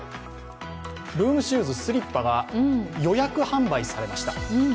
ルームシューズ、スリッパが予約販売されました。